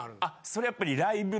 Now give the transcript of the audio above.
それやっぱり。